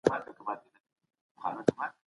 تا ته دي ښکاره چې د سړو خبرې نورې دي